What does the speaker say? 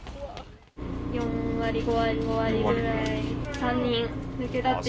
４割、５割ぐらい。